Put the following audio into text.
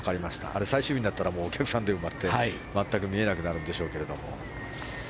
あれが最終日になったらお客さんで埋まって、全く見えなくなるんでしょうけど。